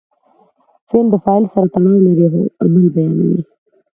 فعل د فاعل سره تړاو لري او عمل بیانوي.